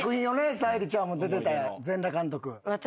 沙莉ちゃんも出てた『全裸監督』私。